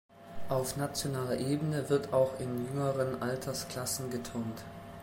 Auf nationaler Ebene wird auch in jüngeren Altersklassen geturnt.